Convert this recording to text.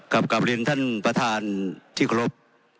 กลับกลับเรียนท่านประธานที่เคารพ